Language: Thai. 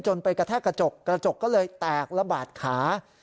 ไปกระแทกกระจกกระจกก็เลยแตกระบาดขา